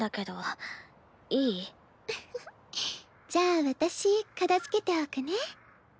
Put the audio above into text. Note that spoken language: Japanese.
じゃあ私片づけておくね。